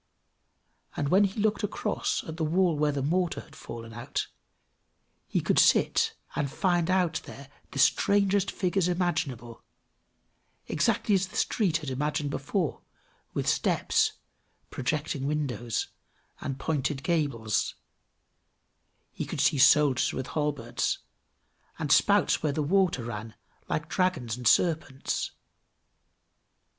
And when he looked across at the wall where the mortar had fallen out, he could sit and find out there the strangest figures imaginable; exactly as the street had appeared before, with steps, projecting windows, and pointed gables; he could see soldiers with halberds, and spouts where the water ran, like dragons and serpents.